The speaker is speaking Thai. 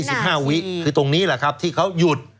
๒๕วินาที๒๕วิคือตรงนี้แหละครับที่เขาหยุด